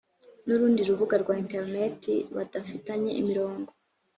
n’urundi rubuga rwa interineti badafitanye imirongo